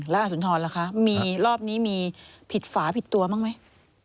แล้วอสุนทรล่ะคะมีรอบนี้มีผิดฝาผิดตัวบ้างไหม